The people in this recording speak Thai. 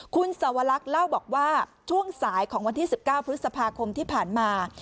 คุณสวรรคเล่าบอกว่าช่วงสายของวันที่๑๙พฤษภาคมที่ผ่านมา